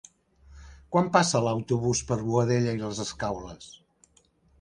Quan passa l'autobús per Boadella i les Escaules?